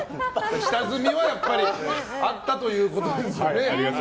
下積みはあったということですよね。